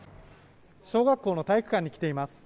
小学校の体育館に来ています。